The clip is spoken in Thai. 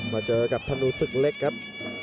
มาเจอกับธนูศึกเล็กครับ